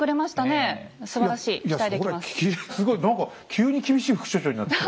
すごい何か急に厳しい副所長になって。